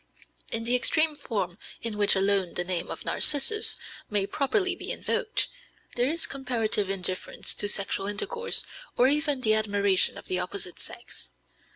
In the extreme form in which alone the name of Narcissus may properly be invoked, there is comparative indifference to sexual intercourse or even the admiration of the opposite sex.